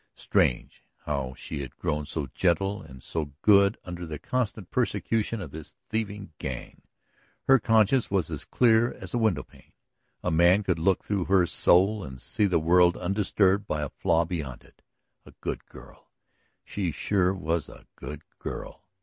Strange how she had grown so gentle and so good under the constant persecution of this thieving gang! Her conscience was as clear as a windowpane; a man could look through her soul and see the world undisturbed by a flaw beyond it. A good girl; she sure was a good girl.